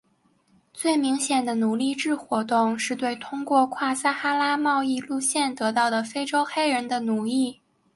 最明显的奴隶制活动是对通过跨撒哈拉贸易路线得到的非洲黑人的奴役。